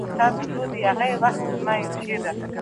تاسو باید د رسنیو په برخه کې مسلکي زده کړې وکړئ.